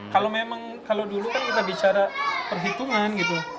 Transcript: kalau memang kalau dulu kan kita bicara perhitungan gitu